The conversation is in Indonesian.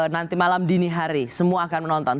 nanti malam dini hari semua akan menonton